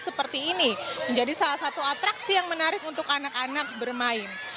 seperti ini menjadi salah satu atraksi yang menarik untuk anak anak bermain